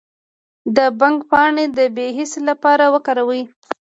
د بنګ پاڼې د بې حسی لپاره وکاروئ